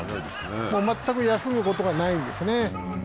全く休むことがないんですね。